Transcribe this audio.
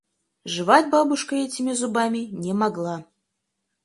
Жевать бабушка этими зубами не могла.